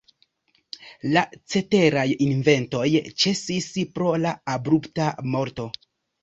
La ceteraj inventoj ĉesis pro la abrupta morto.